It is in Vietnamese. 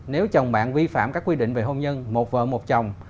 nếu chồng bạn vi phạm các quy định về hôn nhân một vợ một chồng